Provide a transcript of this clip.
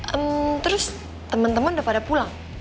eee terus temen temen udah pada pulang